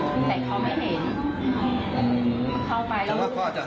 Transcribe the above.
แล้วเรานี่แหละก็เป็นคนที่โทรศัพท์กดพอเหลือว่าเป็นแรก